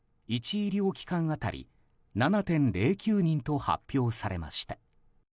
医療機関当たり７．０９人と発表されました。